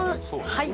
はい。